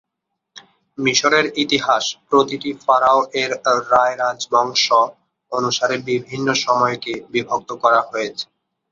মিশরের ইতিহাস প্রতিটি ফারাও এর রায় রাজবংশ অনুসারে বিভিন্ন সময়কে বিভক্ত করা হয়েছে।